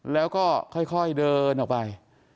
แล้วก็ค่อยเดินออกไป